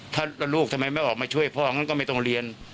ถ้าลูกทำไมไม่ออกมาช่วยพ่องั้นก็ไม่ต้องเรียน